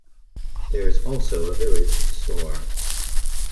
There is also a village store.